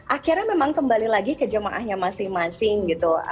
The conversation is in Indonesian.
akhirnya memang kembali lagi ke jemaahnya masing masing gitu